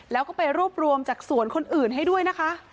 แล้วก็ไปรวบรวมจากสวนคนอื่นให้ด้วยนะคะ